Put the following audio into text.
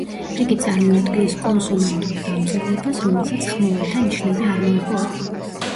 იგი წარმოადგენს კონსონანტურ დამწერლობას, რომელსაც ხმოვანთა ნიშნები არ მოეპოვება.